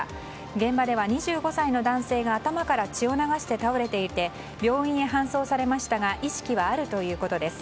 現場では２５歳の男性が頭から血を流して倒れていて病院へ搬送されましたが意識はあるということです。